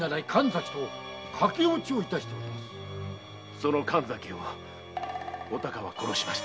その神崎をお孝は殺しました。